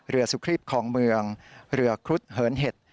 เรือสุครีบคองเมืองเรือครุฑเหินเห็ด